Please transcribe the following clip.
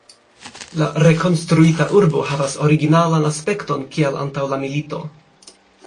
La rekonstruita urbo havas originalan aspekton kiel antaŭ la milito.